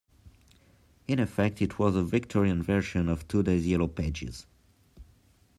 In effect, it was a Victorian version of today's Yellow Pages.